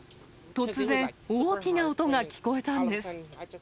突然、大きな音が聞こえたんです。